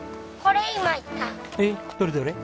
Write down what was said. えっどれどれ。